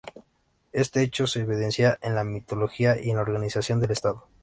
Este hecho se evidencia en la mitología y en la organización del Estado.